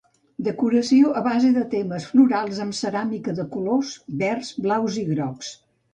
Decoració a base de temes florals amb ceràmica de colors verds, blaus i grocs.